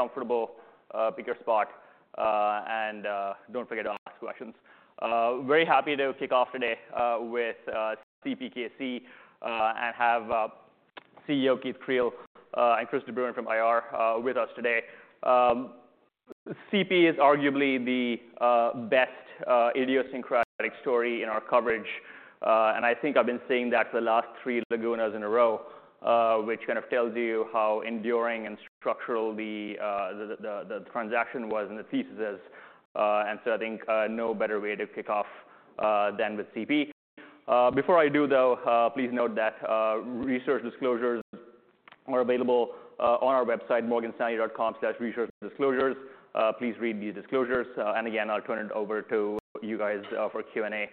Comfortable, pick your spot, and don't forget to ask questions. Very happy to kick off today with CPKC and have CEO Keith Creel and Chris de Bruin from IR with us today. CP is arguably the best idiosyncratic story in our coverage. I think I've been saying that for the last three Laguna Niguel in a row, which kind of tells you how enduring and structural the transaction was and the thesis is. I think no better way to kick off than with CP. Before I do, though, please note that research disclosures are available on our website, morganstanley.com/researchdisclosures. Please read these disclosures, and again, I'll turn it over to you guys, for Q&A,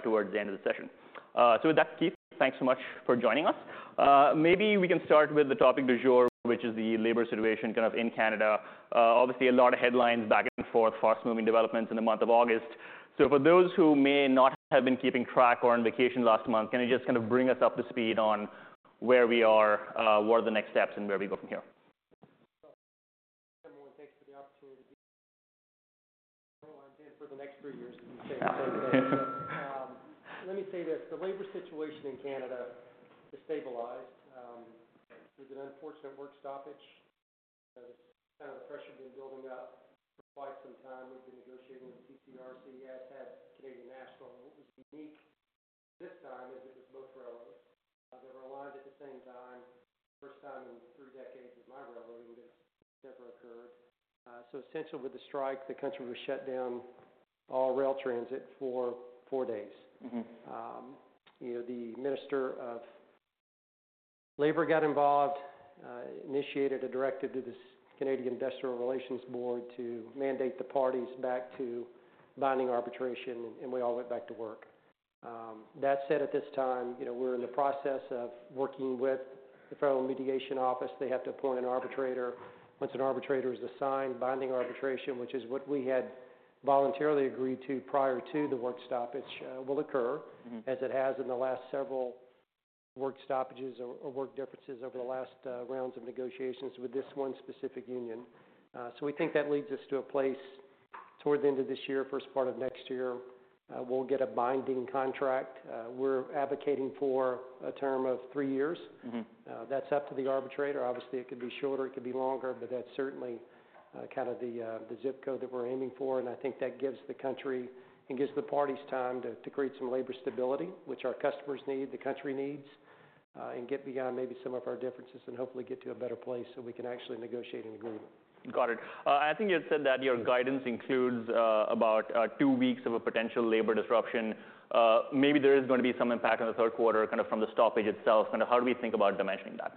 towards the end of the session. So with that, Keith, thanks so much for joining us. Maybe we can start with the topic du jour, which is the labor situation kind of in Canada. Obviously, a lot of headlines back and forth, fast-moving developments in the month of August. So for those who may not have been keeping track or on vacation last month, can you just kind of bring us up to speed on where we are, what are the next steps, and where we go from here? Well, everyone, thanks for the opportunity for the next three years. Let me say this, the labor situation in Canada is stabilized. There's an unfortunate work stoppage, 'cause kind of the pressure has been building up for quite some time. We've been negotiating with TCRC, as has Canadian National. What was unique this time is it was both railroads. They were aligned at the same time, first time in three decades of my railroading this ever occurred. So essentially, with the strike, the country was shut down, all rail transit, for four days. Mm-hmm. You know, the Minister of Labor got involved, initiated a directive to this Canadian Industrial Relations Board to mandate the parties back to binding arbitration, and we all went back to work. That said, at this time, you know, we're in the process of working with the Federal Mediation Office. They have to appoint an arbitrator. Once an arbitrator is assigned, binding arbitration, which is what we had voluntarily agreed to prior to the work stoppage, will occur. Mm-hmm... as it has in the last several work stoppages or work differences over the last rounds of negotiations with this one specific union. So we think that leads us to a place towards the end of this year, first part of next year, we'll get a binding contract. We're advocating for a term of three years. Mm-hmm. That's up to the arbitrator. Obviously, it could be shorter, it could be longer, but that's certainly kind of the zip code that we're aiming for, and I think that gives the country and gives the parties time to create some labor stability, which our customers need, the country needs, and get beyond maybe some of our differences, and hopefully get to a better place, so we can actually negotiate an agreement. Got it. I think you had said that your guidance includes about two weeks of a potential labor disruption. Maybe there is going to be some impact on the third quarter, kind of from the stoppage itself. Kind of, how do we think about dimensioning that?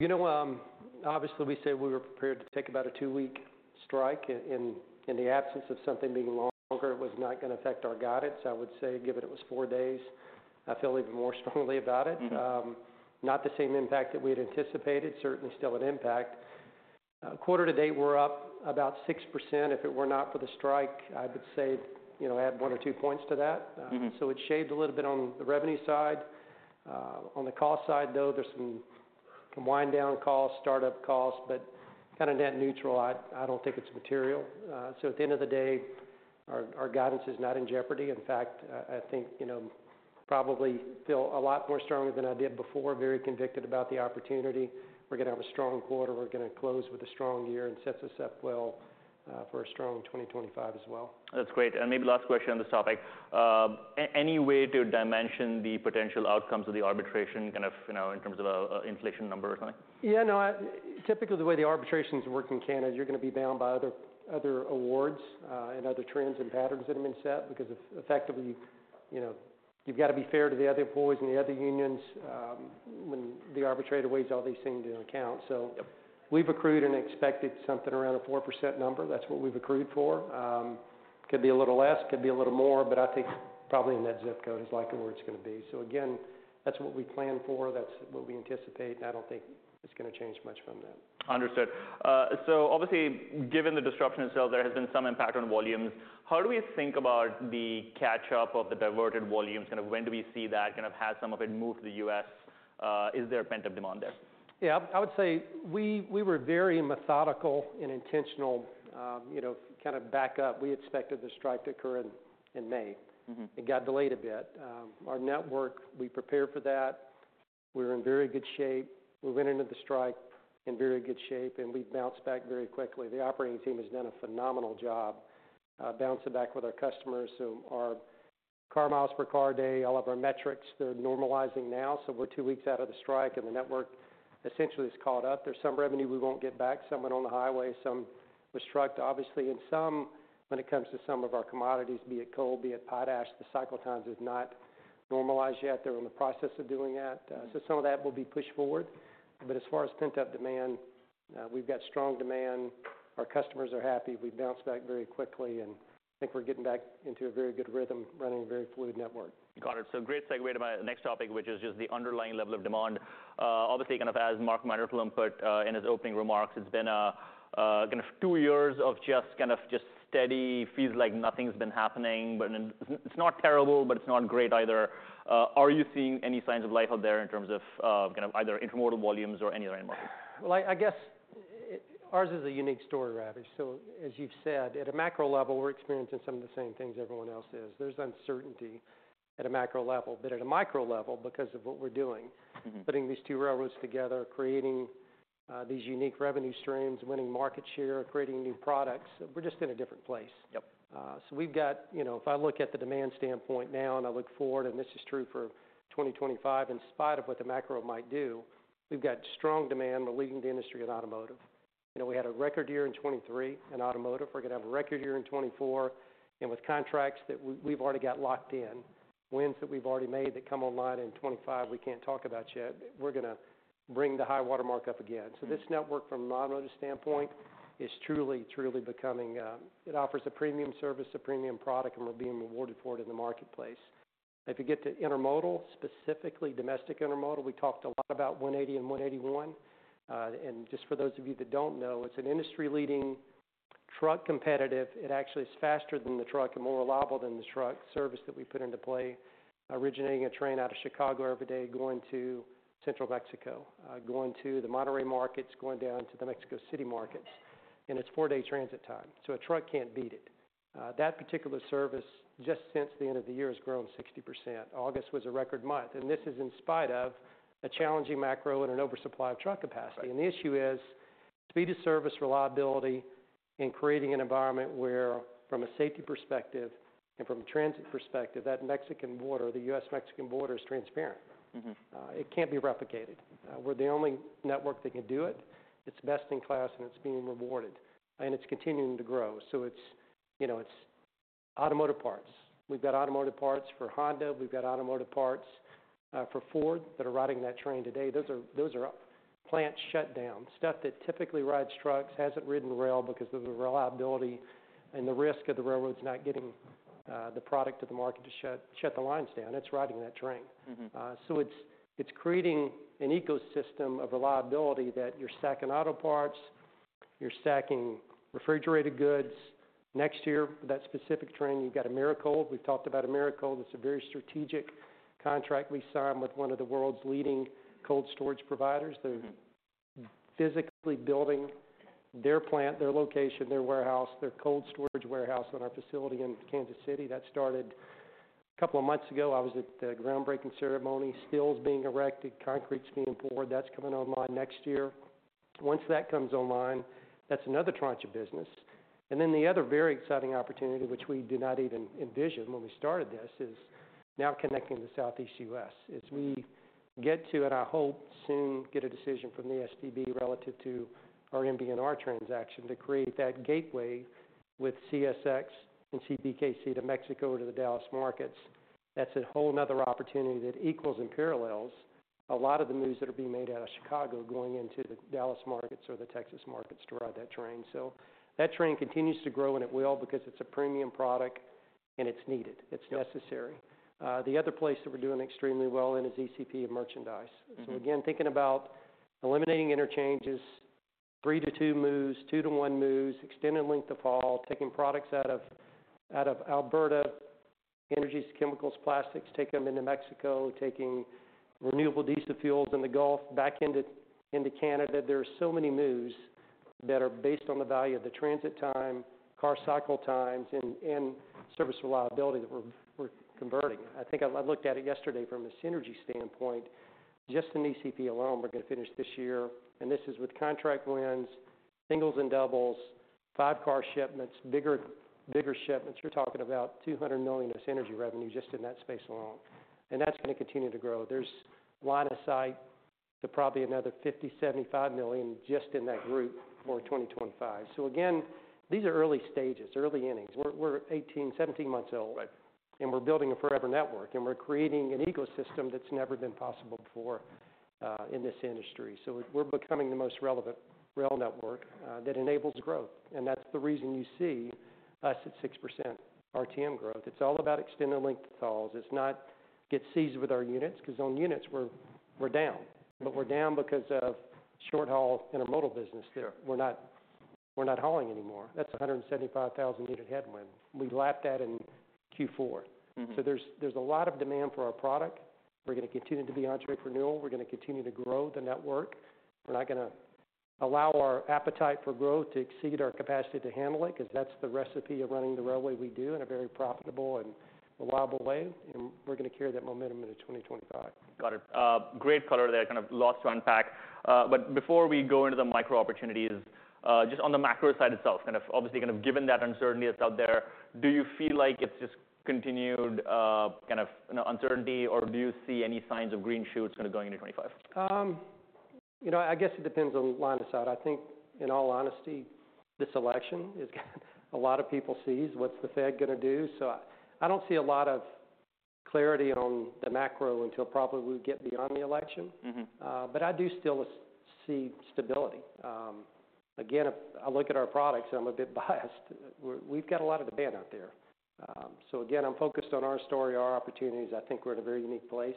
You know, obviously, we said we were prepared to take about a two-week strike. In the absence of something being longer, it was not gonna affect our guidance. I would say, given it was four days, I feel even more strongly about it. Mm-hmm. Not the same impact that we had anticipated, certainly still an impact. Quarter to date, we're up about 6%. If it were not for the strike, I would say, you know, add one or two points to that. Mm-hmm. So it shaved a little bit on the revenue side. On the cost side, though, there's some wind down costs, startup costs, but kind of net neutral. I don't think it's material. So at the end of the day, our guidance is not in jeopardy. In fact, I think, you know, probably feel a lot more strongly than I did before. Very convicted about the opportunity. We're gonna have a strong quarter. We're gonna close with a strong year and sets us up well for a strong 2025 as well. That's great. And maybe last question on this topic. Any way to dimension the potential outcomes of the arbitration, kind of, you know, in terms of an inflation number or something? Yeah, no, typically, the way the arbitrations work in Canada, you're gonna be bound by other awards and other trends and patterns that have been set, because effectively, you know, you've got to be fair to the other employees and the other unions, when the arbitrator weighs all these things into account. So- Yep ... we've accrued and expected something around a 4% number. That's what we've accrued for. Could be a little less, could be a little more, but I think probably in that zip code is likely where it's gonna be. So again, that's what we planned for, that's what we anticipate, and I don't think it's gonna change much from that. Understood. So obviously, given the disruption itself, there has been some impact on volumes. How do we think about the catch-up of the diverted volumes? Kind of, when do we see that? Kind of, has some of it moved to the U.S.? Is there a pent-up demand there? Yeah, I would say we were very methodical and intentional, you know, kind of back up. We expected the strike to occur in May. Mm-hmm. It got delayed a bit. Our network, we prepared for that. We're in very good shape. We went into the strike in very good shape, and we've bounced back very quickly. The operating team has done a phenomenal job bouncing back with our customers. Our car miles per car day, all of our metrics, they're normalizing now. We're two weeks out of the strike, and the network essentially is caught up. There's some revenue we won't get back, some went on the highway, some was struck. Obviously, in some, when it comes to some of our commodities, be it coal, be it potash, the cycle times have not normalized yet. They're in the process of doing that. Some of that will be pushed forward, but as far as pent-up demand, we've got strong demand. Our customers are happy. We've bounced back very quickly, and I think we're getting back into a very good rhythm, running a very fluid network. Got it, so great segue to my next topic, which is just the underlying level of demand. Obviously, kind of as Mark Midkiff put in his opening remarks, it's been kind of two years of just kind of steady, feels like nothing's been happening, but then it's not terrible, but it's not great either. Are you seeing any signs of life out there in terms of kind of either intermodal volumes or any other end markets? Ours is a unique story, Ravi. So as you've said, at a macro level, we're experiencing some of the same things everyone else is. There's uncertainty at a macro level, but at a micro level, because of what we're doing. Mm-hmm. putting these two railroads together, creating, these unique revenue streams, winning market share, creating new products, we're just in a different place. Yep. So we've got, you know, if I look at the demand standpoint now, and I look forward, and this is true for 2025, in spite of what the macro might do, we've got strong demand. We're leading the industry in automotive. You know, we had a record year in 2023 in automotive. We're going to have a record year in 2024, and with contracts that we've already got locked in, wins that we've already made that come online in 2025, we can't talk about yet. We're going to bring the high watermark up again. So this network, from an automotive standpoint, is truly, truly becoming. It offers a premium service, a premium product, and we're being rewarded for it in the marketplace. If you get to intermodal, specifically domestic intermodal, we talked a lot about 180 and 181. And just for those of you that don't know, it's an industry-leading truck-competitive. It actually is faster than the truck and more reliable than the truck service that we put into play, originating a train out of Chicago every day, going to central Mexico, going to the Monterrey markets, going down to the Mexico City markets, and it's four-day transit time, so a truck can't beat it. That particular service, just since the end of the year, has grown 60%. August was a record month, and this is in spite of a challenging macro and an oversupply of truck capacity. Right. The issue is speed of service, reliability, and creating an environment where, from a safety perspective and from a transit perspective, that Mexican border, the U.S.-Mexican border, is transparent. Mm-hmm. It can't be replicated. We're the only network that can do it. It's best in class, and it's being rewarded, and it's continuing to grow. So it's, you know, it's automotive parts. We've got automotive parts for Honda, we've got automotive parts for Ford that are riding that train today. Those are plant shutdowns, stuff that typically rides trucks, hasn't ridden the rail because of the reliability and the risk of the railroads not getting the product to the market to shut the lines down. It's riding that train. Mm-hmm. So it's creating an ecosystem of reliability that you're stacking auto parts, you're stacking refrigerated goods. Next year, that specific train, you've got Americold. We've talked about Americold. It's a very strategic contract we signed with one of the world's leading cold storage providers. Mm-hmm. They're physically building their plant, their location, their warehouse, their cold storage warehouse on our facility in Kansas City. That started a couple of months ago. I was at the groundbreaking ceremony. Steel's being erected, concrete's being poured. That's coming online next year. Once that comes online, that's another tranche of business. And then the other very exciting opportunity, which we do not even envision when we started this, is now connecting the Southeast US. As we get to, and I hope, soon get a decision from the STB relative to our MNBR transaction to create that gateway with CSX and CPKC to Mexico, to the Dallas markets. That's a whole another opportunity that equals and parallels a lot of the moves that are being made out of Chicago going into the Dallas markets or the Texas markets to ride that train. So that train continues to grow, and it will, because it's a premium product, and it's needed. Yep. It's necessary. The other place that we're doing extremely well in is ECP and merchandise. Mm-hmm. Again, thinking about eliminating interchanges, three to two moves, two to one moves, extending length of haul, taking products out of Alberta, energy, chemicals, plastics, taking them into Mexico, taking renewable diesel fuels in the Gulf back into Canada. There are so many moves that are based on the value of the transit time, car cycle times, and service reliability that we're converting. I think I looked at it yesterday from a synergy standpoint, just in ECP alone, we're going to finish this year, and this is with contract wins, singles and doubles, five-car shipments, bigger shipments. We're talking about 200 million of synergy revenue just in that space alone, and that's going to continue to grow. There's line of sight to probably another 50 million-75 million just in that group for 2025. So again, these are early stages, early innings. We're 18, 17 months old. Right. And we're building a forever network, and we're creating an ecosystem that's never been possible before, in this industry. So we're becoming the most relevant rail network, that enables growth, and that's the reason you see us at 6% RTM growth. It's all about extending length of hauls. It's not obsessed with our units, because on units, we're down, but we're down because of short-haul intermodal business. Sure. We're not, we're not hauling anymore. That's a hundred and seventy-five thousand headwind. We lapped that in Q4. Mm-hmm. There's a lot of demand for our product. We're going to continue to be on track for renewal. We're going to continue to grow the network. We're not going to allow our appetite for growth to exceed our capacity to handle it, because that's the recipe of running the railway we do in a very profitable and reliable way, and we're going to carry that momentum into 2025. Got it. Great color there, kind of lots to unpack. But before we go into the micro opportunities, just on the macro side itself, kind of obviously, kind of given that uncertainty that's out there, do you feel like it's just continued kind of, you know, uncertainty, or do you see any signs of green shoots kind of going into 2025? You know, I guess it depends on line of sight. I think, in all honesty, this election is a lot of people sees what's the Fed going to do? So I don't see a lot of clarity on the macro until probably we get beyond the election. Mm-hmm. But I do still see stability. Again, if I look at our products, and I'm a bit biased, we've got a lot of demand out there. So again, I'm focused on our story, our opportunities. I think we're in a very unique place.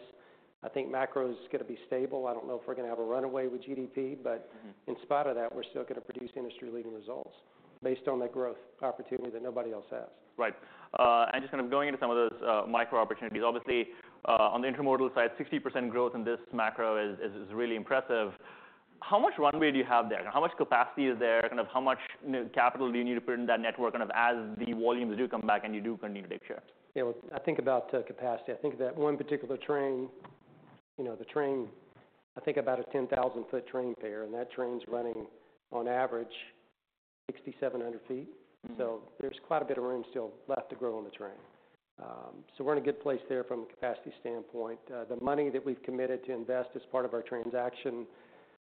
I think macro is going to be stable. I don't know if we're going to have a runaway with GDP, but Mm-hmm. In spite of that, we're still going to produce industry-leading results based on that growth opportunity that nobody else has. Right, and just kind of going into some of those micro opportunities. Obviously, on the intermodal side, 60% growth in this macro is really impressive. How much runway do you have there? How much capacity is there? Kind of how much, you know, capital do you need to put in that network, kind of, as the volumes do come back and you do continue to take shares? Yeah, well, I think about capacity. I think that one particular train, you know, the train, I think about a 10,000-foot train pair, and that train's running on average 6,700 feet. Mm-hmm. So there's quite a bit of room still left to grow on the train. So we're in a good place there from a capacity standpoint. The money that we've committed to invest as part of our transaction,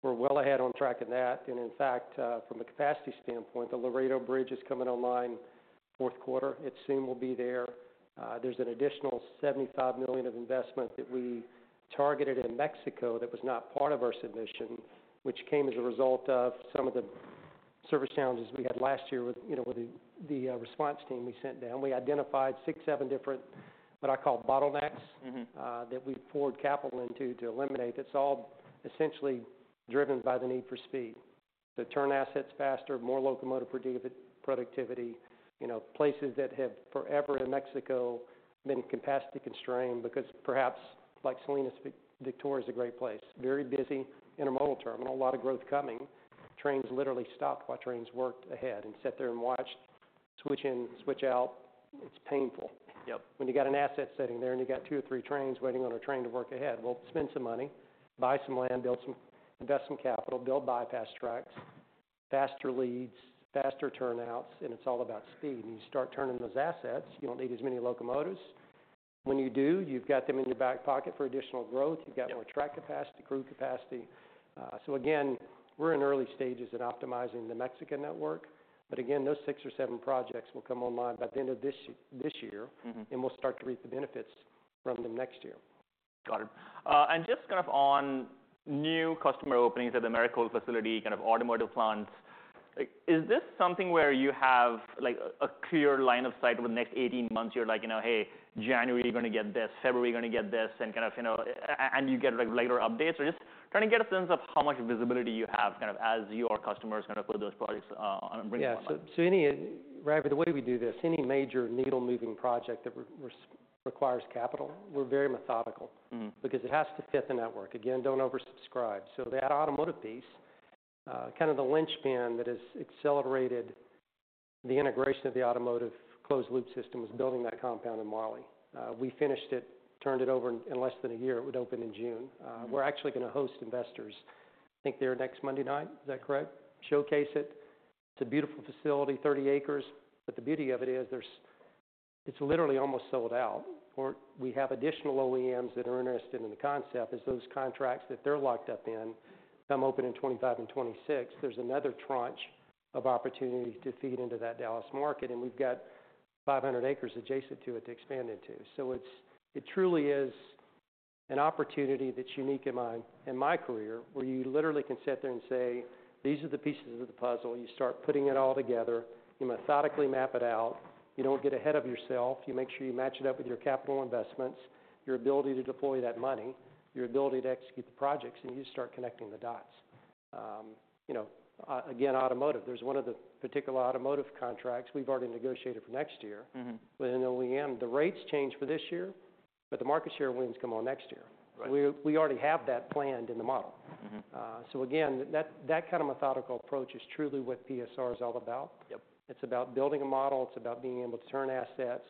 we're well ahead on track of that. And in fact, from a capacity standpoint, the Laredo Bridge is coming online fourth quarter. It soon will be there. There's an additional $75 million of investment that we targeted in Mexico that was not part of our submission, which came as a result of some of the service challenges we had last year with, you know, with the response team we sent down. We identified six, seven different, what I call, bottlenecks- Mm-hmm. that we poured capital into to eliminate. That's all essentially driven by the need for speed. To turn assets faster, more locomotive productivity, you know, places that have forever in Mexico been capacity constrained, because perhaps, like Salinas Victoria is a great place, very busy intermodal terminal, a lot of growth coming. Trains literally stopped while trains worked ahead and sat there and watched, switch in, switch out. It's painful. Yep. When you got an asset sitting there, and you got two or three trains waiting on a train to work ahead, well, spend some money, buy some land, build some, invest some capital, build bypass tracks, faster leads, faster turnouts, and it's all about speed. When you start turning those assets, you don't need as many locomotives. When you do, you've got them in your back pocket for additional growth. Yep. You've got more track capacity, crew capacity. So again, we're in early stages in optimizing the Mexican network, but again, those six or seven projects will come online by the end of this year. Mm-hmm. We'll start to reap the benefits from them next year. Got it. And just kind of on new customer openings at the Miracle facility, kind of automotive plants, like, is this something where you have, like, a clear line of sight over the next eighteen months? You're like, you know, "Hey, January, gonna get this, February, gonna get this," and kind of, you know, and you get, like, later updates? Or just trying to get a sense of how much visibility you have, kind of, as your customers kind of put those products on bringing them online. Yeah. So any, Ravi, the way we do this, any major needle-moving project that requires capital, we're very methodical. Mm-hmm. Because it has to fit the network. Again, don't oversubscribe. So that automotive piece, kind of the linchpin that has accelerated the integration of the automotive closed loop system, is building that compound in Wylie. We finished it, turned it over in less than a year. It would open in June. Mm-hmm. We're actually gonna host investors, I think there next Monday night. Is that correct? Showcase it. It's a beautiful facility, 30 acres, but the beauty of it is, there's, it's literally almost sold out, or we have additional OEMs that are interested in the concept, as those contracts that they're locked up in come open in 2025 and 2026. There's another tranche of opportunities to feed into that Dallas market, and we've got 500 acres adjacent to it to expand into. It's truly an opportunity that's unique in my career, where you literally can sit there and say, "These are the pieces of the puzzle." You start putting it all together. You methodically map it out. You don't get ahead of yourself. You make sure you match it up with your capital investments, your ability to deploy that money, your ability to execute the projects, and you start connecting the dots. You know, again, automotive, there's one of the particular automotive contracts we've already negotiated for next year- Mm-hmm - with an OEM. The rates change for this year, but the market share wins come on next year. Right. We already have that planned in the model. Mm-hmm. So again, that kind of methodical approach is truly what PSR is all about. Yep. It's about building a model. It's about being able to turn assets.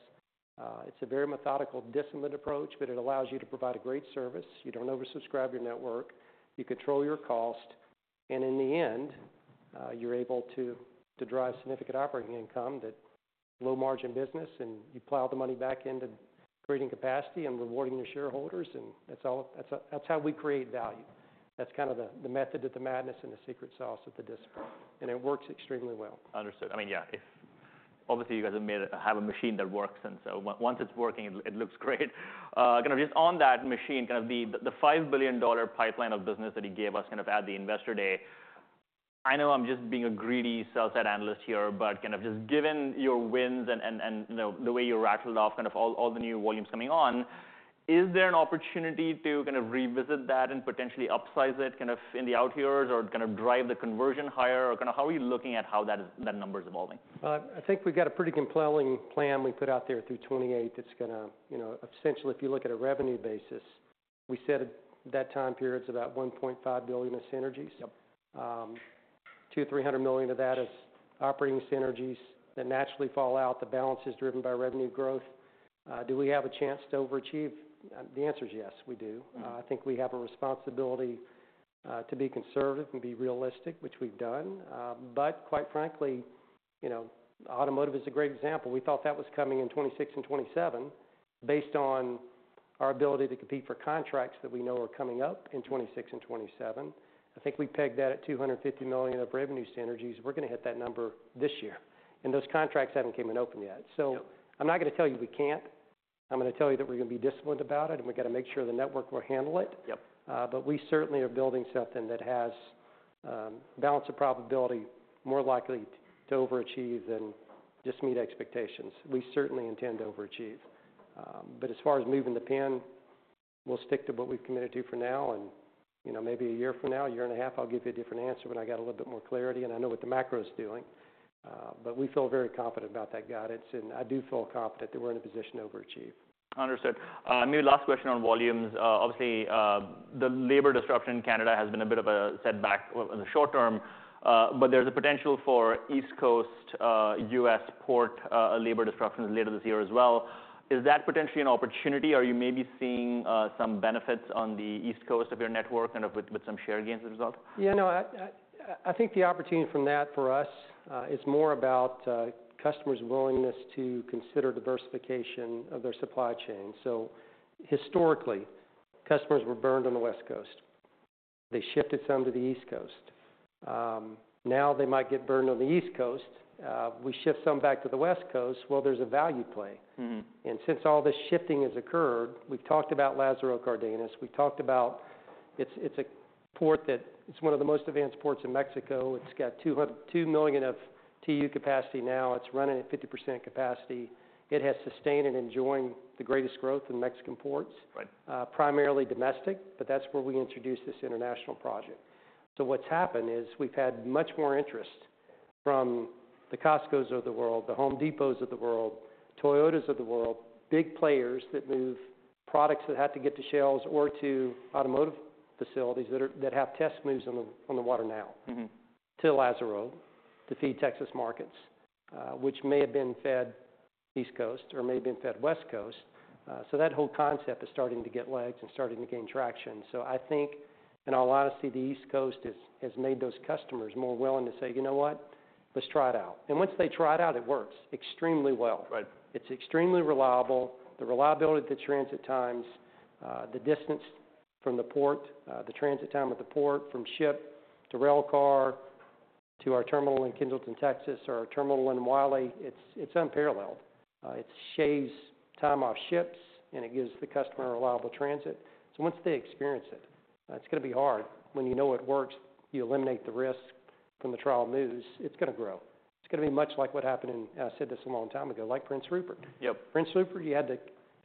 It's a very methodical, disciplined approach, but it allows you to provide a great service. You don't oversubscribe your network, you control your cost, and in the end, you're able to to drive significant operating income, that low margin business, and you plow the money back into creating capacity and rewarding your shareholders. And that's all, that's, that's how we create value. That's kind of the, the method of the madness, and the secret sauce of the discipline, and it works extremely well. Understood. I mean, yeah, if obviously you guys have made a machine that works, and so on. Once it's working, it looks great. Kind of just on that machine, kind of the $5 billion pipeline of business that you gave us at the Investor Day, I know I'm just being a greedy sell-side analyst here, but kind of just given your wins and, you know, the way you rattled off kind of all the new volumes coming on, is there an opportunity to kind of revisit that and potentially upsize it kind of in the out years, or kind of drive the conversion higher? Or kind of how are you looking at how that number is evolving? I think we've got a pretty compelling plan we put out there through 2028 that's gonna... You know, essentially, if you look at a revenue basis, we said at that time period, it's about $1.5 billion of synergies. Yep. 200-300 million of that is operating synergies that naturally fall out. The balance is driven by revenue growth. Do we have a chance to overachieve? The answer is yes, we do. Mm-hmm. I think we have a responsibility to be conservative and be realistic, which we've done, but quite frankly, you know, automotive is a great example. We thought that was coming in 2026 and 2027, based on our ability to compete for contracts that we know are coming up in 2026 and 2027. I think we pegged that at 250 million of revenue synergies. We're gonna hit that number this year, and those contracts haven't even opened yet. Yep. So I'm not gonna tell you we can't. I'm gonna tell you that we're gonna be disciplined about it, and we've got to make sure the network will handle it. Yep. But we certainly are building something that has balance of probability more likely to overachieve than just meet expectations. We certainly intend to overachieve. But as far as moving the pin, we'll stick to what we've committed to for now. You know, maybe a year from now, a year and a half, I'll give you a different answer when I get a little bit more clarity, and I know what the macro is doing. We feel very confident about that guidance, and I do feel confident that we're in a position to overachieve. Understood. Maybe last question on volumes. Obviously, the labor disruption in Canada has been a bit of a setback in the short term, but there's a potential for East Coast U.S. port labor disruptions later this year as well. Is that potentially an opportunity? Are you maybe seeing some benefits on the East Coast of your network, kind of, with some share gains as a result? Yeah, no, I think the opportunity from that, for us, is more about, customers' willingness to consider diversification of their supply chain. So historically, customers were burned on the West Coast. They shifted some to the East Coast. Now they might get burned on the East Coast, we shift some back to the West Coast, well, there's a value play. Mm-hmm. Since all this shifting has occurred, we've talked about Lázaro Cárdenas. We've talked about... It's a port that is one of the most advanced ports in Mexico. It's got two million TEU capacity now. It's running at 50% capacity. It has sustained and enjoying the greatest growth in Mexican ports. Right. Primarily domestic, but that's where we introduced this international project. So what's happened is we've had much more interest from the Costcos of the world, the Home Depots of the world, Toyotas of the world, big players that move products that have to get to shelves or to automotive facilities that have test moves on the water now. Mm-hmm... to Lázaro, to feed Texas markets, which may have been fed East Coast or may have been fed West Coast. That whole concept is starting to get legs and starting to gain traction. I think, in all honesty, the East Coast has made those customers more willing to say, "You know what? Let's try it out." And once they try it out, it works extremely well. Right. It's extremely reliable. The reliability, the transit times, the distance from the port, the transit time of the port, from ship to rail car, to our terminal in Kendleton, Texas, or our terminal in Wylie, it's, it's unparalleled. It shaves time off ships, and it gives the customer a reliable transit. So once they experience it, it's going to be hard. When you know it works, you eliminate the risk from the trial moves, it's going to grow. It's going to be much like what happened in, and I said this a long time ago, like Prince Rupert. Yep. Prince Rupert, you had to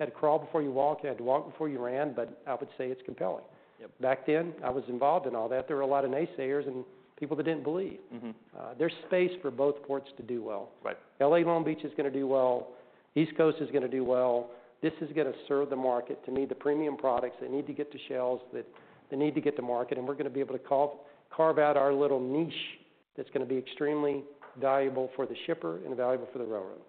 crawl before you walk, you had to walk before you ran, but I would say it's compelling. Yep. Back then, I was involved in all that. There were a lot of naysayers and people that didn't believe. Mm-hmm. There's space for both ports to do well. Right. LA Long Beach is going to do well. East Coast is going to do well. This is going to serve the market, to meet the premium products that need to get to shelves, that they need to get to market, and we're going to be able to carve out our little niche that's going to be extremely valuable for the shipper and valuable for the railroad.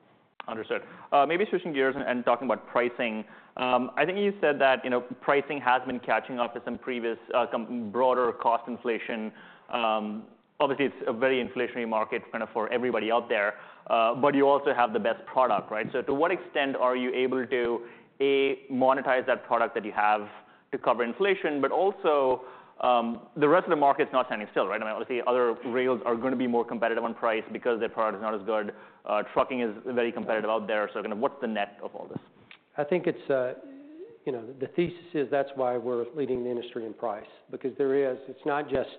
Understood. Maybe switching gears and talking about pricing. I think you said that, you know, pricing has been catching up with some previous, some broader cost inflation. Obviously, it's a very inflationary market, kind of, for everybody out there, but you also have the best product, right? So to what extent are you able to, A, monetize that product that you have to cover inflation, but also, the rest of the market is not standing still, right? I mean, obviously, other rails are going to be more competitive on price because their product is not as good. Trucking is very competitive out there. So, kind of, what's the net of all this? I think it's. You know, the thesis is that's why we're leading the industry in price, because there is, it's not just,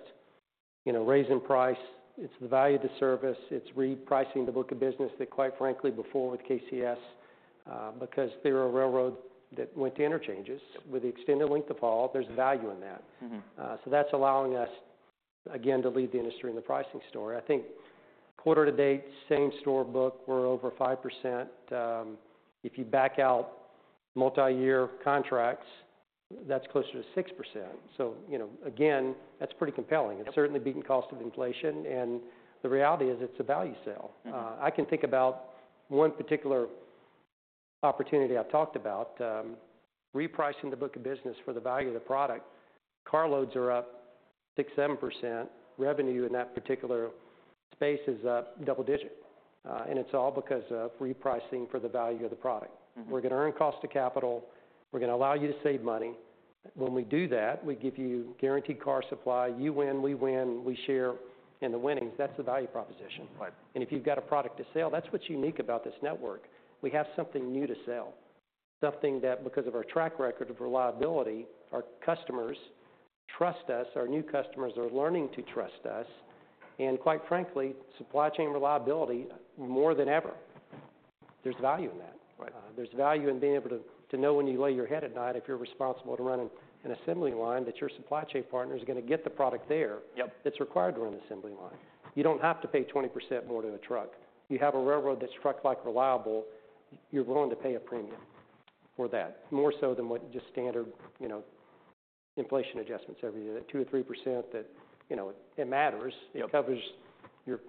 you know, raising price, it's the value of the service, it's repricing the book of business that, quite frankly, before with KCS, because they were a railroad that went to interchanges. Yep. With the extended length of haul, there's value in that. Mm-hmm. So that's allowing us, again, to lead the industry in the pricing story. I think quarter to date, same store book, we're over 5%. If you back out multiyear contracts, that's closer to 6%. So, you know, again, that's pretty compelling. Yep. It's certainly beating cost of inflation, and the reality is, it's a value sale. Mm-hmm. I can think about one particular opportunity I've talked about, repricing the book of business for the value of the product. Car loads are up 6%-7%. Revenue in that particular space is up double digits, and it's all because of repricing for the value of the product. Mm-hmm. We're going to earn cost to capital. We're going to allow you to save money. When we do that, we give you guaranteed car supply. You win, we win, we share in the winnings. That's the value proposition. Right. If you've got a product to sell, that's what's unique about this network. We have something new to sell, something that, because of our track record of reliability, our customers trust us, our new customers are learning to trust us. Quite frankly, supply chain reliability, more than ever, there's value in that. Right. There's value in being able to know when you lay your head at night, if you're responsible to run an assembly line, that your supply chain partner is going to get the product there. Yep... that's required to run the assembly line. You don't have to pay 20% more to the truck. You have a railroad that's truck-like reliable. You're willing to pay a premium for that, more so than what just standard, you know, inflation adjustments every year, at 2% or 3% that... You know, it matters. Yep. It covers your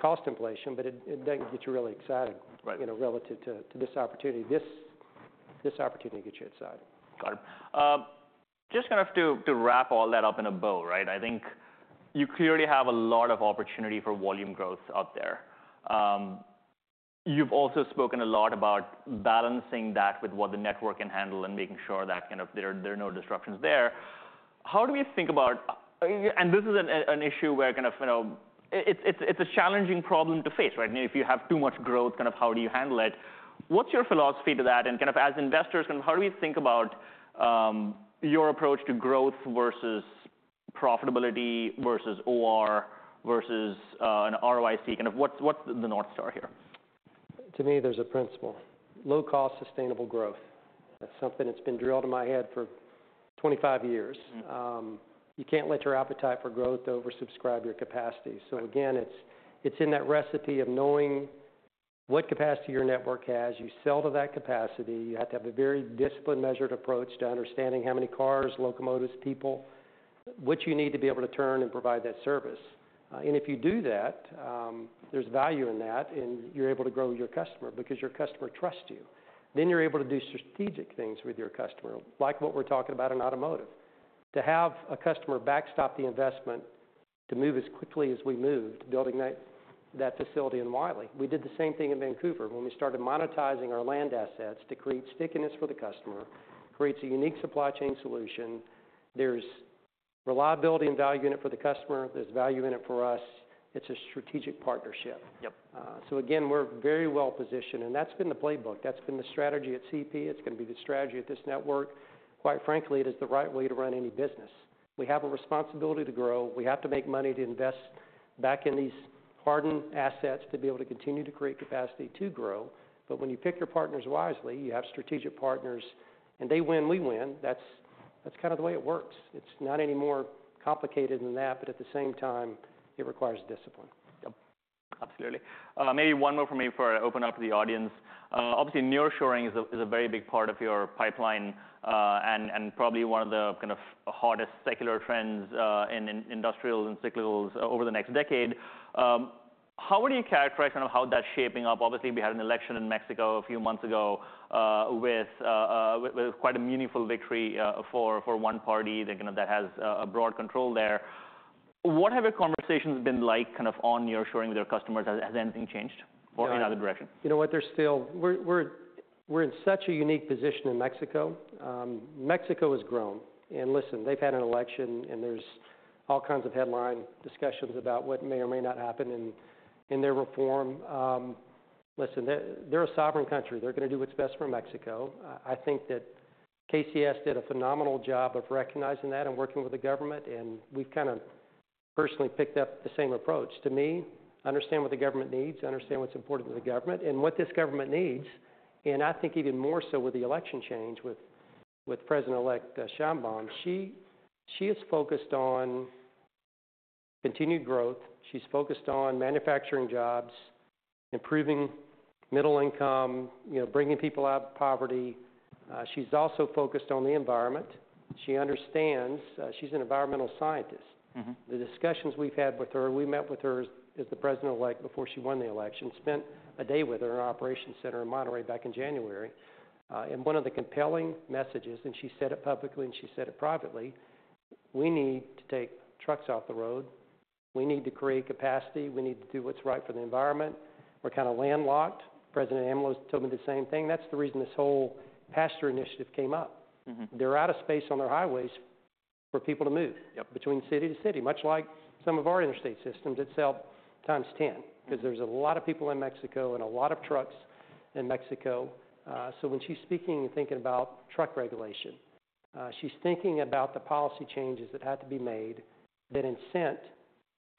cost inflation, but it doesn't get you really excited- Right... you know, relative to this opportunity. This opportunity gets you excited. Got it. Just kind of to wrap all that up in a bow, right? I think you clearly have a lot of opportunity for volume growth out there. You've also spoken a lot about balancing that with what the network can handle and making sure that, kind of, there are no disruptions there. How do we think about... And this is an issue where, kind of, you know, it, it's a challenging problem to face, right? I mean, if you have too much growth, kind of, how do you handle it? What's your philosophy to that? And, kind of, as investors, kind of, how do we think about your approach to growth versus profitability, versus OR, versus an ROIC? Kind of, what's the North Star here? ... to me, there's a principle: low cost, sustainable growth. That's something that's been drilled in my head for twenty-five years. Mm-hmm. You can't let your appetite for growth oversubscribe your capacity. So again, it's in that recipe of knowing what capacity your network has. You sell to that capacity. You have to have a very disciplined, measured approach to understanding how many cars, locomotives, people, what you need to be able to turn and provide that service. And if you do that, there's value in that, and you're able to grow your customer because your customer trusts you. Then you're able to do strategic things with your customer, like what we're talking about in automotive. To have a customer backstop the investment, to move as quickly as we moved, building that facility in Wylie. We did the same thing in Vancouver when we started monetizing our land assets to create stickiness for the customer, creates a unique supply chain solution. There's reliability and value in it for the customer, there's value in it for us. It's a strategic partnership. Yep. So again, we're very well positioned, and that's been the playbook. That's been the strategy at CP. It's going to be the strategy at this network. Quite frankly, it is the right way to run any business. We have a responsibility to grow. We have to make money to invest back in these hardened assets to be able to continue to create capacity to grow. But when you pick your partners wisely, you have strategic partners, and they win, we win. That's kind of the way it works. It's not any more complicated than that, but at the same time, it requires discipline. Yep, absolutely. Maybe one more from me before I open up to the audience. Obviously, nearshoring is a very big part of your pipeline, and probably one of the kind of hardest secular trends in industrials and cyclicals over the next decade. How would you characterize kind of how that's shaping up? Obviously, we had an election in Mexico a few months ago, with quite a meaningful victory for one party that, you know, that has a broad control there. What have your conversations been like, kind of on nearshoring with your customers? Has anything changed or in other direction? You know what? They're still. We're in such a unique position in Mexico. Mexico has grown, and listen, they've had an election, and there's all kinds of headline discussions about what may or may not happen in their reform. Listen, they're a sovereign country. They're going to do what's best for Mexico. I think that KCS did a phenomenal job of recognizing that and working with the government, and we've kind of personally picked up the same approach. To me, understand what the government needs, understand what's important to the government and what this government needs, and I think even more so with the election change with President-elect Sheinbaum, she is focused on continued growth. She's focused on manufacturing jobs, improving middle income, you know, bringing people out of poverty. She's also focused on the environment. She understands... She's an environmental scientist. Mm-hmm. The discussions we've had with her, we met with her as, as the president-elect before she won the election, spent a day with her in our operations center in Monterrey back in January. And one of the compelling messages, and she said it publicly, and she said it privately: "We need to take trucks off the road. We need to create capacity. We need to do what's right for the environment. We're kind of landlocked." President AMLO told me the same thing. That's the reason this whole passenger initiative came up. Mm-hmm. They're out of space on their highways for people to move- Yep between city to city, much like some of our interstate systems itself, times ten. Mm-hmm. Because there's a lot of people in Mexico and a lot of trucks in Mexico. So when she's speaking and thinking about truck regulation, she's thinking about the policy changes that have to be made that incent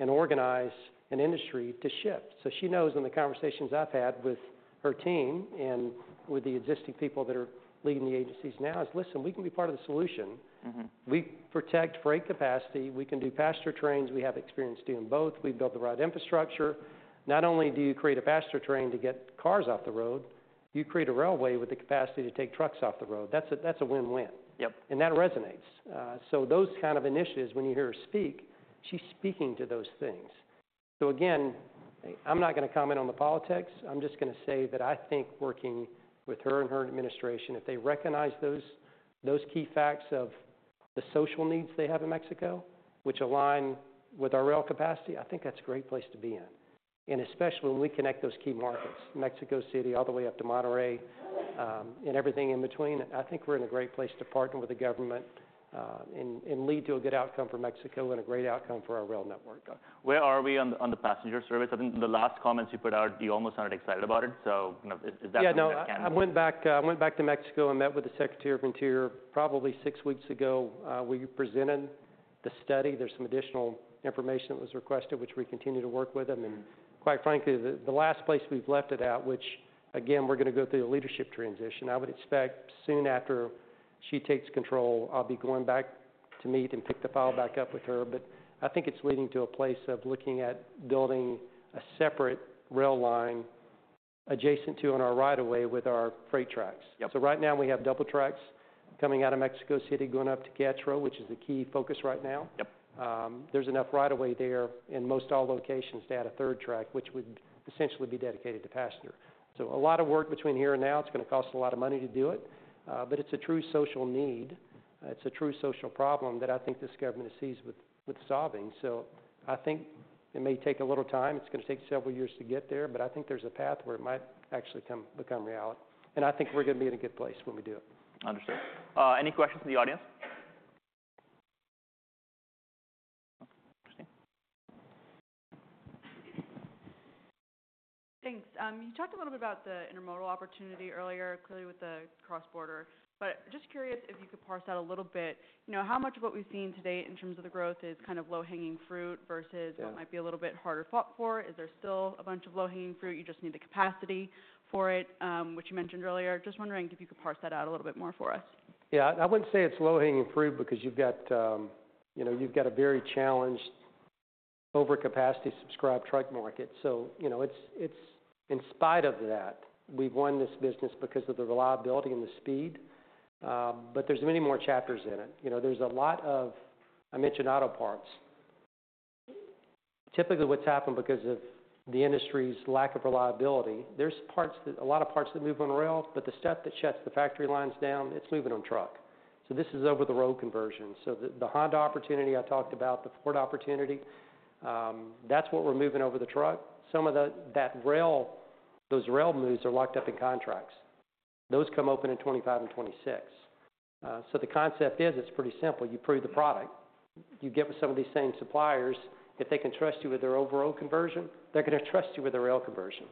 and organize an industry to shift. So she knows, in the conversations I've had with her team and with the existing people that are leading the agencies now, is, "Listen, we can be part of the solution. Mm-hmm. We protect freight capacity. We can do passenger trains. We have experience doing both. We've built the right infrastructure. Not only do you create a passenger train to get cars off the road, you create a railway with the capacity to take trucks off the road. That's a win-win. Yep. And that resonates. So those kind of initiatives, when you hear her speak, she's speaking to those things. So again, I'm not going to comment on the politics. I'm just going to say that I think working with her and her administration, if they recognize those key facts of the social needs they have in Mexico, which align with our rail capacity, I think that's a great place to be in, and especially when we connect those key markets, Mexico City, all the way up to Monterrey, and everything in between, I think we're in a great place to partner with the government, and lead to a good outcome for Mexico and a great outcome for our rail network. Where are we on the passenger service? I think the last comments you put out, you almost sounded excited about it, so, you know, is that- Yeah, no, I went back to Mexico and met with the Secretary of Interior probably six weeks ago. We presented the study. There's some additional information that was requested, which we continue to work with them. Mm-hmm. Quite frankly, the last place we've left it at which, again, we're going to go through a leadership transition, I would expect soon after she takes control, I'll be going back to meet and pick the file back up with her. But I think it's leading to a place of looking at building a separate rail line adjacent to on our right of way with our freight tracks. Yep. So right now, we have double tracks coming out of Mexico City, going up to Querétaro, which is the key focus right now. Yep. There's enough right of way there in most all locations to add a third track, which would essentially be dedicated to passenger. So a lot of work between here and now. It's going to cost a lot of money to do it, but it's a true social need. It's a true social problem that I think this government sees with solving. So I think it may take a little time. It's going to take several years to get there, but I think there's a path where it might actually become reality, and I think we're going to be in a good place when we do it. Understood. Any questions from the audience? ... Thanks. You talked a little bit about the intermodal opportunity earlier, clearly with the cross-border, but just curious if you could parse out a little bit. You know, how much of what we've seen to date in terms of the growth is kind of low-hanging fruit versus- Yeah. What might be a little bit harder fought for? Is there still a bunch of low-hanging fruit, you just need the capacity for it, which you mentioned earlier? Just wondering if you could parse that out a little bit more for us. Yeah. I, I wouldn't say it's low-hanging fruit because you've got, you know, you've got a very challenged overcapacity subscribed truck market. So you know, it's, it's in spite of that, we've won this business because of the reliability and the speed, but there's many more chapters in it. You know, there's a lot of. I mentioned auto parts. Typically, what's happened because of the industry's lack of reliability, there's parts that, a lot of parts that move on rail, but the stuff that shuts the factory lines down, it's moving on truck. So this is over-the-road conversion. So the, the Honda opportunity I talked about, the Ford opportunity, that's what we're moving over the truck. Some of the, that rail, those rail moves are locked up in contracts. Those come open in 2025 and 2026. So the concept is, it's pretty simple: You prove the product. You get with some of these same suppliers, if they can trust you with their overall conversion, they're going to trust you with their rail conversion.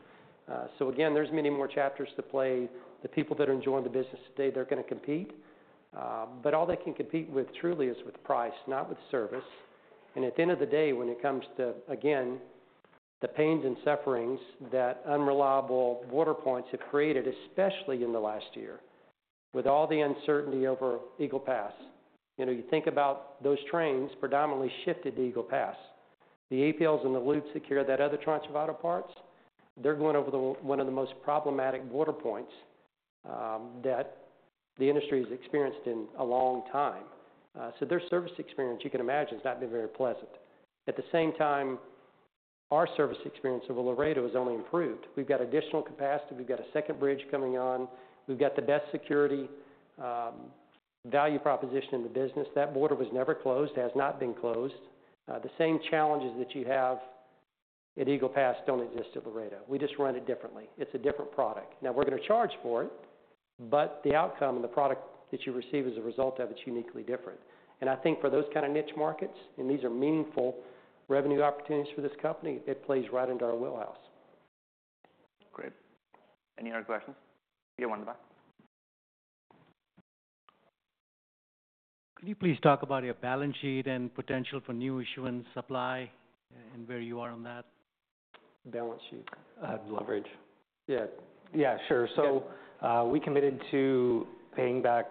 So again, there's many more chapters to play. The people that are enjoying the business today, they're going to compete, but all they can compete with truly is with price, not with service. And at the end of the day, when it comes to, again, the pains and sufferings that unreliable border points have created, especially in the last year, with all the uncertainty over Eagle Pass, you know, you think about those trains predominantly shifted to Eagle Pass. The APL's and the Loups that carry that other tranche of auto parts, they're going over the, one of the most problematic border points, that the industry has experienced in a long time, so their service experience, you can imagine, has not been very pleasant. At the same time, our service experience over Laredo has only improved. We've got additional capacity, we've got a second bridge coming on, we've got the best security, value proposition in the business. That border was never closed, has not been closed. The same challenges that you have at Eagle Pass don't exist at Laredo. We just run it differently. It's a different product. Now, we're going to charge for it, but the outcome and the product that you receive as a result of it is uniquely different. I think for those kind of niche markets, and these are meaningful revenue opportunities for this company, it plays right into our wheelhouse. Great. Any other questions? Yeah, Wanda. Could you please talk about your balance sheet and potential for new issuance supply, and where you are on that? Balance sheet. Uh, leverage. Yeah. Yeah, sure. Yeah. We committed to paying back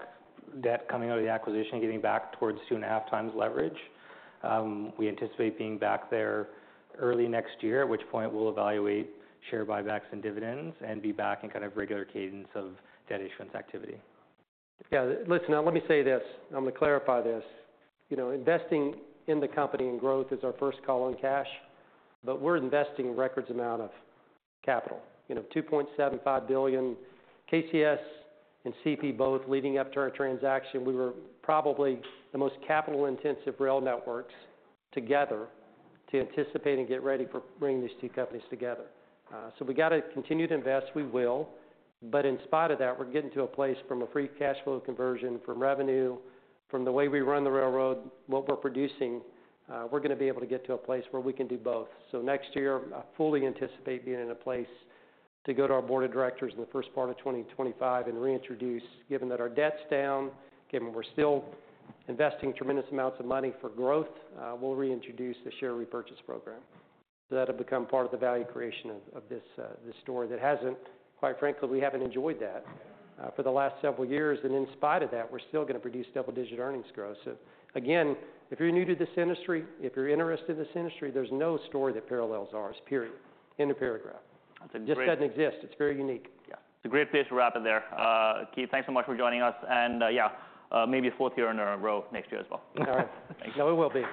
debt coming out of the acquisition, getting back towards two and a half times leverage. We anticipate being back there early next year, at which point we'll evaluate share buybacks and dividends, and be back in kind of regular cadence of debt issuance activity. Yeah, listen, now let me say this. I'm going to clarify this. You know, investing in the company and growth is our first call on cash, but we're investing record amount of capital. You know, 2.75 billion. KCS and CP both leading up to our transaction, we were probably the most capital-intensive rail networks together to anticipate and get ready for bringing these two companies together. So we got to continue to invest, we will, but in spite of that, we're getting to a place from a free cash flow conversion, from revenue, from the way we run the railroad, what we're producing, we're going to be able to get to a place where we can do both. So next year, I fully anticipate being in a place to go to our board of directors in the first part of 2025 and reintroduce, given that our debt's down, given we're still investing tremendous amounts of money for growth, we'll reintroduce the share repurchase program. So that'll become part of the value creation of, of this, this story that hasn't... Quite frankly, we haven't enjoyed that, for the last several years, and in spite of that, we're still going to produce double-digit earnings growth. So again, if you're new to this industry, if you're interested in this industry, there's no story that parallels ours, period. End of paragraph. That's a great- Just doesn't exist. It's very unique. Yeah. It's a great place to wrap up there. Keith, thanks so much for joining us, and, yeah, maybe fourth year in a row next year as well. All right. Thanks. No, it will be.